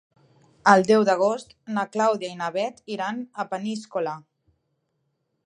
El deu d'agost na Clàudia i na Bet iran a Peníscola.